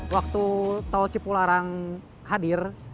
waktu tol cipularang hadir